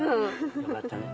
よかったね。